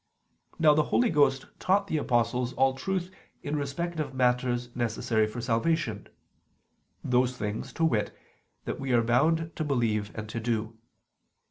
Now the Holy Ghost taught the apostles all truth in respect of matters necessary for salvation; those things, to wit, that we are bound to believe and to do.